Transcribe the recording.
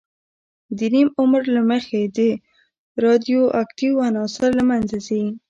د نیم عمر له مخې رادیواکتیو عناصر له منځه ځي.